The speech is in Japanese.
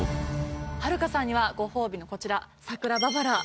はるかさんにはご褒美のこちら桜ババロア